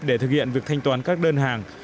để thực hiện việc thanh toán các đơn hàng